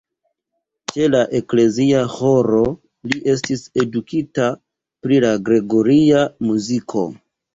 Ĉe la eklezia ĥoro li estis edukita pri la gregoria muziko.